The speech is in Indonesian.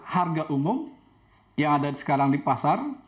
harga umum yang ada sekarang di pasar